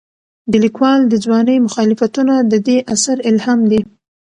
د لیکوال د ځوانۍ مخالفتونه د دې اثر الهام دي.